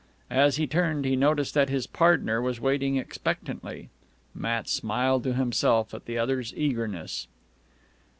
As he turned, he noticed that his partner was waiting expectantly. Matt smiled to himself at the other's eagerness.